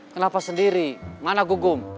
kenapa sendiri mana gugum